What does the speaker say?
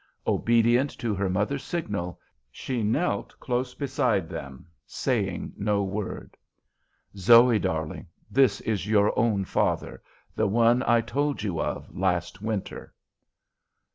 Obedient to her mother's signal, she knelt close beside them, saying no word. "Zoe, darling, this is your own father; the one I told you of last winter."